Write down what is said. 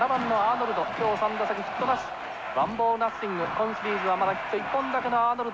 今シリーズはまだヒット１本だけのアーノルド。